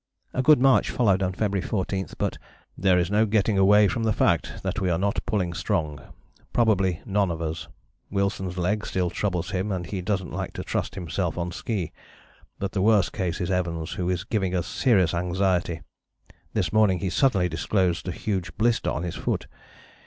A good march followed on February 14, but "there is no getting away from the fact that we are not pulling strong. Probably none of us: Wilson's leg still troubles him and he doesn't like to trust himself on ski; but the worst case is Evans, who is giving us serious anxiety. This morning he suddenly disclosed a huge blister on his foot.